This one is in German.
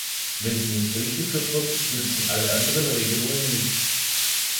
Wenn sie nicht durchgeführt wird, nützen alle anderen Regelungen nichts.